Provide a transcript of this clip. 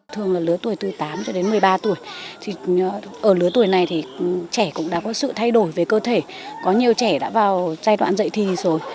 thường là lứa tuổi từ tám cho đến một mươi ba tuổi thì ở lứa tuổi này thì trẻ cũng đã có sự thay đổi về cơ thể có nhiều trẻ đã vào giai đoạn dạy thì rồi